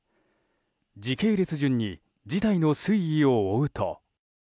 時系列順に事態の推移を追うと。